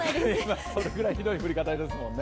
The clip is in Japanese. それぐらいひどい降り方ですもんね。